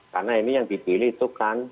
karena ini yang dipilih itu kan